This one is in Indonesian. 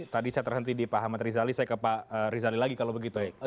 tadi saya tersenti di pak hamrizali saya ke pak rizali lagi kalau begitu ya